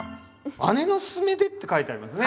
「姉の勧めで」って書いてありますね